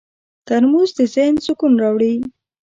ترموز د ذهن سکون راوړي.